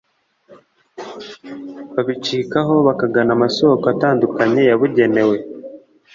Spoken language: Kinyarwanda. babicikaho bakagana amasoko atandukanye yabugenewe